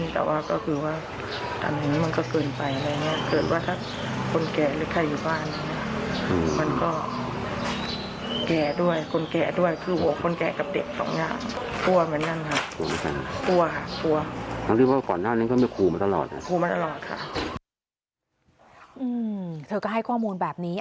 เธอก็ให้ข้อมูลแบบนี้